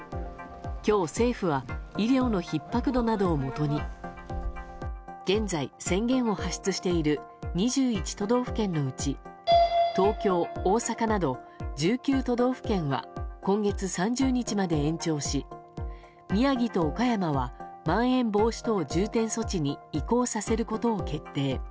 今日、政府は医療のひっ迫度などをもとに現在、宣言を発出している２１都道府県のうち東京、大阪など１９都道府県は今月３０日まで延長し宮城と岡山はまん延防止等重点措置に移行させることを決定。